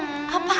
apa apa sih